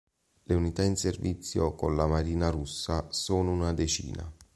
Le unità in servizio con la Marina Russa sono una decina.